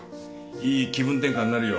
いい気分転換になるよ。